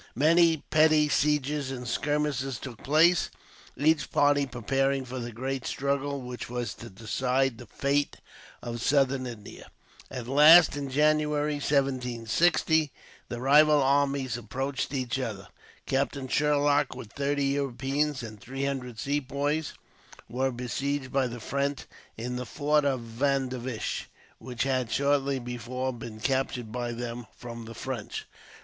Many petty sieges and skirmishes took place, each party preparing for the great struggle, which was to decide the fate of Southern India. At last, in January, 1760, the rival armies approached each other. Captain Sherlock, with thirty Europeans and three hundred Sepoys, were besieged by the French in the fort of Vandivash, which had shortly before been captured by them from the French.